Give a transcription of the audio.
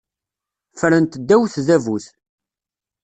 Ffrent ddaw tdabut.